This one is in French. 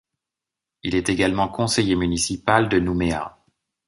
Il est également conseiller municipal de Nouméa.